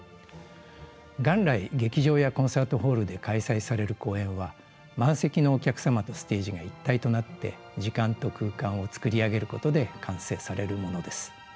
元来劇場やコンサートホールで開催される公演は満席のお客様とステージが一体となって時間と空間を作り上げることで完成されるものです。